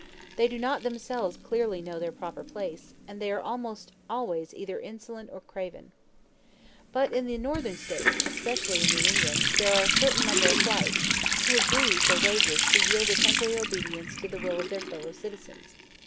They do not themselves clearly know their proper place, and they are almost always either insolent or craven. But in the Northern States, especially in New England, there are a certain number of whites, who agree, for wages, to yield a temporary obedience to the will of their fellow citizens.